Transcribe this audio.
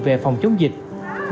về phòng chống dịch của huyện củ chi